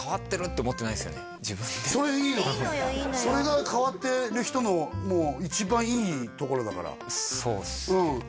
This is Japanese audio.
自分ではそれが変わってる人のもう一番いいところだからそうですね